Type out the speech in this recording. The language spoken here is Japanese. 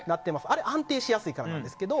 あれ、安定しやすいからなんですけど。